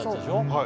はい。